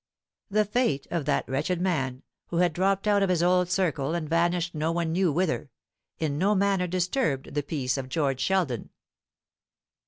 The fate of that wretched man, who had dropped out of his old circle and vanished no one knew whither, in no manner disturbed the peace of George Sheldon.